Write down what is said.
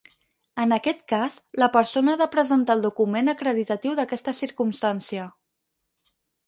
En aquest cas, la persona ha de presentar el document acreditatiu d'aquesta circumstància.